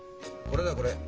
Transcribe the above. これだよこれ。